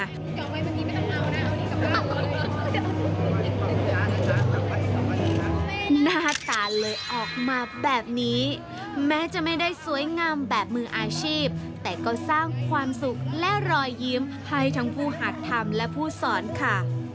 หน้าตาเลยออกมาแบบนี้แม้จะไม่ได้สวยงามแบบมืออาชีพแต่ก็สร้างความสุขและรอยยิ้มให้ทั้งผู้หัดธรรมและผู้สอนค่ะ